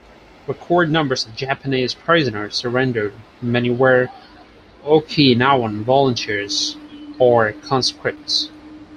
Record numbers of Japanese prisoners surrendered; many were Okinawan volunteers or conscripts.